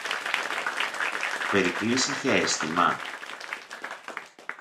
Ο Περικλής είχε αίσθημα;